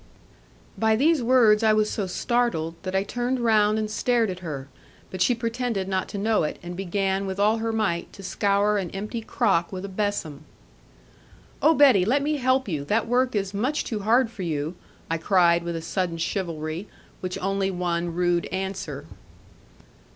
By these words I was so startled, that I turned round and stared at her; but she pretended not to know it, and began with all her might to scour an empty crock with a besom. 'Oh, Betty, let me help you! That work is much too hard for you,' I cried with a sudden chivalry, which only won rude answer.